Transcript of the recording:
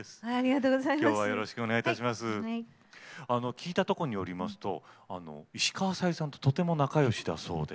聞いたとこによりますと石川さゆりさんととても仲良しだそうで。